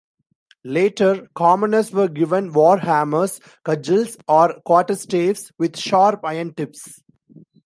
Later, commoners were given war hammers, cudgels, or quarterstaves with sharp iron tips.